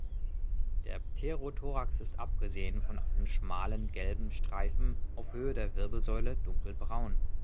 Der Pterothorax ist abgesehen von einem schmalen gelben Streifen auf Höhe der Wirbelsäule dunkelbraun.